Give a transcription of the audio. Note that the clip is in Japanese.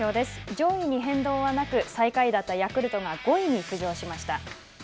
上位に変動はなく最下位だったヤクルトが５位に浮上しました。